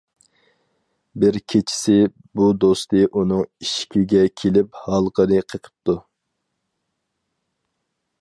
بىر كېچىسى بۇ دوستى ئۇنىڭ ئىشىكىگە كېلىپ ھالقىنى قېقىپتۇ.